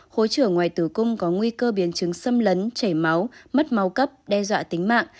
khối trưởng ngoài tử cung có nguy cơ biến chứng xâm lấn chảy máu mất máu cấp đe dọa tính mạng